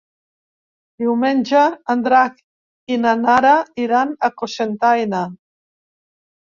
Diumenge en Drac i na Nara iran a Cocentaina.